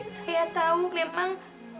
saya tahu memang